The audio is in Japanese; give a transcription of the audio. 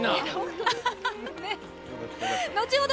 後ほど